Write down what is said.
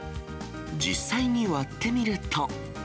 実際に割ってみると。